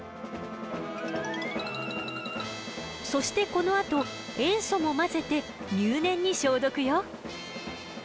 そしてこのあと塩素も混ぜて入念に消毒よ。